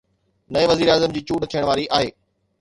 نئين وزيراعظم جي چونڊ ٿيڻ واري آهي.